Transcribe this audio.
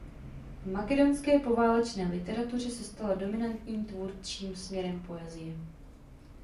V makedonské poválečné literatuře se stala dominantním tvůrčím směrem poezie.